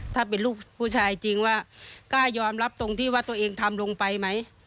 ถ้าเป็นลูกผู้ชายจริงว่ากล้ายอมรับตรงที่ว่าตัวเองทำลงไปไหม